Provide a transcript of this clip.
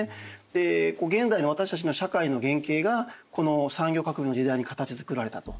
で現代の私たちの社会の原型がこの産業革命の時代に形づくられたと。